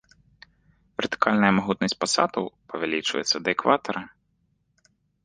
Вертыкальная магутнасць пасатаў павялічваецца да экватара.